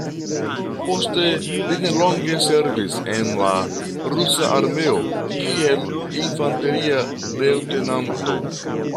Poste li nelonge servis en la Rusa armeo kiel infanteria leŭtenanto.